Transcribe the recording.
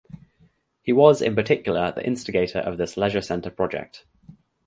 He was in particular the instigator of this leisure center project.